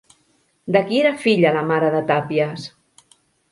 De qui era filla la mare de Tàpies?